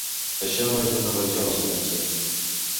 Això no és una revisió de la sentència.